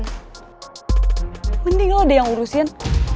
musik mending lo deh yang urusin